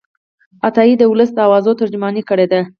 عطايي د ولس د آواز ترجماني کړې ده.